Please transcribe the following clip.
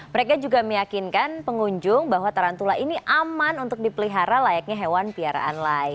mereka juga meyakinkan pengunjung bahwa tarantula ini aman untuk dipelihara layaknya hewan piaraan lain